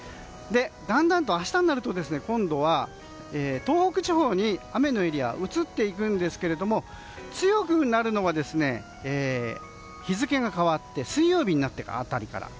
だんだんと明日になると今度は東北地方に雨のエリア、移っていくんですが強くなるのは日付が変わって水曜日になった辺りから。